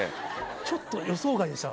ちょっと予想外でした。